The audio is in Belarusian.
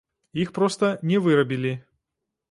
Іх проста не вырабілі.